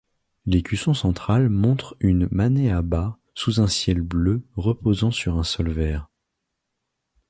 L'écusson central montre une maneaba sous un ciel bleu, reposant sur un sol vert.